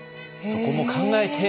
そこも考えて。